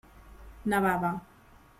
Nevava.